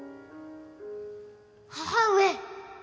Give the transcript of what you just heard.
母上！